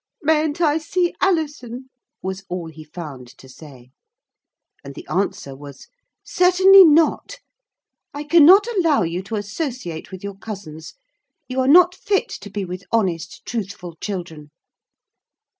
'Mayn't I see Alison?' was all he found to say. And the answer was, 'Certainly not. I cannot allow you to associate with your cousins. You are not fit to be with honest, truthful children.'